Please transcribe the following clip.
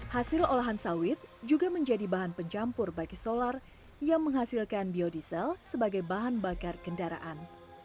hasil olahan sawit juga menjadi bahan pencampur bagi solar yang menghasilkan biodiesel sebagai bahan bakar kendaraan